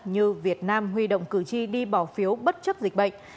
như việt nam huy động cử tri đi bỏ phiếu bất chấp dịch bệnh